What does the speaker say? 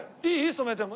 染めても。